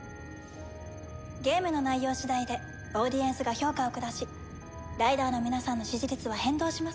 ゲームの内容次第でオーディエンスが評価を下しライダーの皆さんの支持率は変動します。